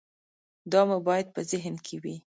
دا مو باید په ذهن کې وي.